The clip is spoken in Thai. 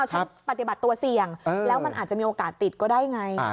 ฉันปฏิบัติตัวเสี่ยงแล้วมันอาจจะมีโอกาสติดก็ได้ไง